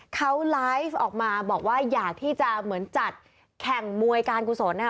เขาไลฟ์ออกมาบอกว่าอยากที่จะเหมือนจัดแข่งมวยการกุศลนะคะ